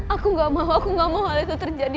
aku gak mau aku gak mau hal itu terjadi